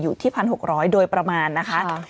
อยู่ที่๑๖๐๐โดยประมาณนะคะ